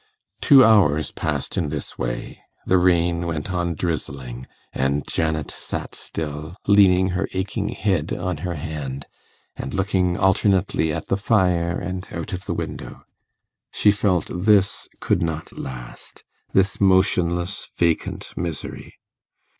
Two hours passed in this way. The rain went on drizzling, and Janet sat still, leaning her aching head on her hand, and looking alternately at the fire and out of the window. She felt this could not last this motionless, vacant misery.